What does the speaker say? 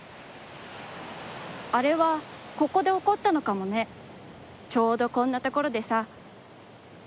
「あれは、ここでおこったのかもね、ちょうどこんなところでさ」